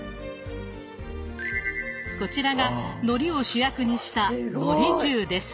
こちらがのりを主役にした「のり重」です。